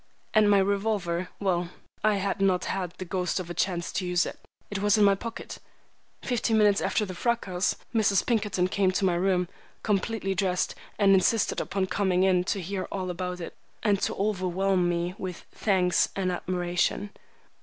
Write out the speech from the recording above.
And my revolver. Well, I had not had the ghost of a chance to use it. It was in my pocket. Fifteen minutes after the fracas, Mrs. Pinkerton came to my room, completely dressed, and insisted upon coming in to hear all about it and to overwhelm me with thanks and admiration.